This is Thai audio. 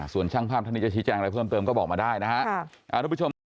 ส่วนช่างภาพท่านนี้จะชี้แจงอะไรเพิ่มเติมก็บอกมาได้นะครับ